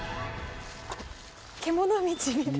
獣道みたい。